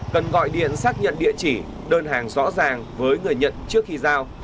cần gọi điện xác nhận địa chỉ đơn hàng rõ ràng với người nhận trước khi giao